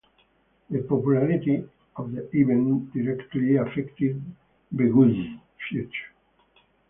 The popularity of the event directly affected Vegoose's future.